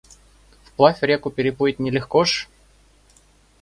Вплавь реку переплыть не легко ж!